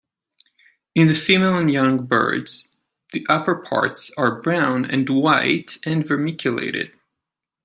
In the female and young birds, the upperparts are brown and white and vermiculated.